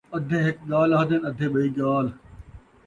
ادھے ہک ڳالھ آہدن، ادھے ٻئی ڳالھ